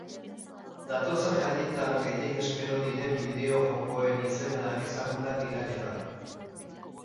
Datozen jaietan gehien espero diren bideo-jokoen izenak ezagunak dira jada.